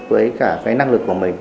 với cả cái năng lực của mình